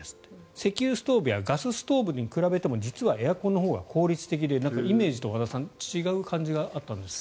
石油ストーブやガスストーブに比べても実はエアコンのほうが効率的でイメージとは違う感じがあったんですが。